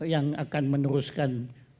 yang akan meneruskan